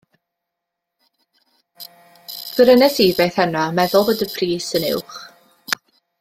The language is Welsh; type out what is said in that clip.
Brynes i beth heno a meddwl bod y pris yn uwch.